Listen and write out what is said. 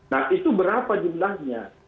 nah itu berapa jumlahnya